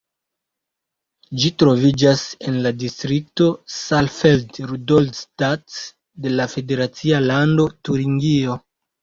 Ĝi troviĝas en la distrikto Saalfeld-Rudolstadt de la federacia lando Turingio.